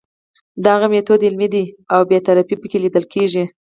د هغه میتود علمي دی او بې طرفي پکې لیدل کیږي.